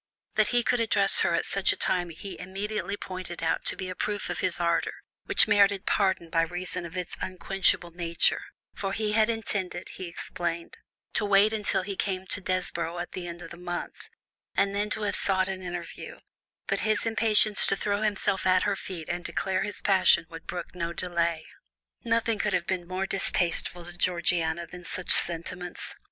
That he could address her at such a time he immediately pointed out to be a proof of his ardour, which merited pardon by reason of its unquenchable nature, for he had intended, he explained, to wait until he came to Desborough at the end of the month, and then to have sought an interview, but his impatience to throw himself at her feet and declare his passion would brook no delay. Nothing could have been more distasteful to Georgiana than such sentiments.